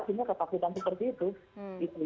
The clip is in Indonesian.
tidak ada simak simak korupsi